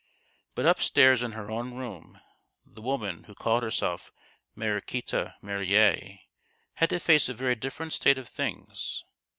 But upstairs in her own room the woman who called herself Mariquita Marillier had to face a very different state of things.